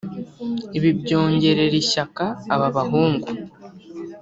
Ibi byongerera ishyaka aba bahungu